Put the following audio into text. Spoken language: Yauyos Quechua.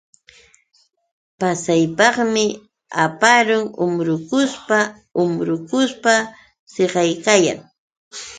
Pasaypaqmi aparun umbrukushpa umbrukushpa siqaykayan.